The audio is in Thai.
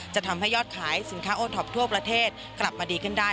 จะทำให้ยอดขายสินค้าโอท็อปทั่วประเทศกลับมาดีขึ้นได้